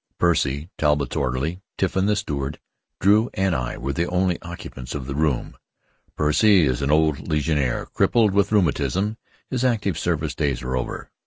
Percy, Talbott's orderly, Tiffin the steward, Drew, and I were the only occupants of the room. Percy is an old légionnaire, crippled with rheumatism. His active service days are over.